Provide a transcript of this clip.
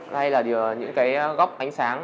hay là những góc ánh sáng